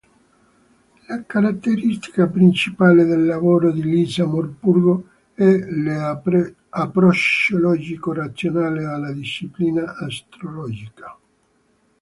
La caratteristica principale del lavoro di Lisa Morpurgo è l'approccio logico-razionale alla disciplina astrologica.